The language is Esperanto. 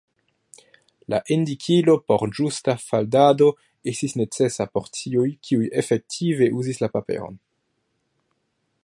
La indikilo por ĝusta faldado estis necesa por tiuj, kiuj efektive uzis la paperon.